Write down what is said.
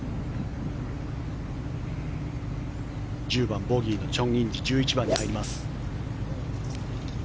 １０番、ボギーのチョン・インジ１１番に入ります。